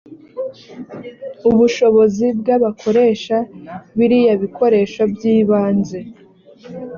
ubushobozi bw abakoresha biriya bikoresho by ibanze